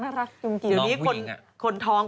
ปล่อยให้เบลล่าว่าง